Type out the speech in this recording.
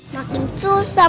makin susah main sama dandan